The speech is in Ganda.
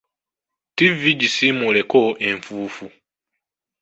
Ttivvi gisiimuuleko enfuufu.